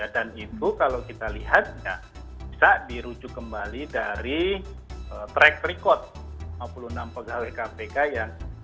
dan itu kalau kita lihat bisa dirujuk kembali dari track record lima puluh enam pegawai kpk yang telah disingkirkan